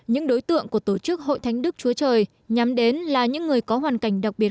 những đối tượng của tổ chức hội thánh đức chúa trời nhắm đến là những người có hoàn cảnh đặc biệt